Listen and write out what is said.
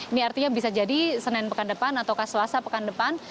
ini artinya bisa jadi senin pekan depan ataukah selasa pekan depan